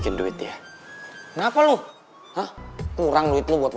kalau tiba tiba mas pulang takut ke rumahnya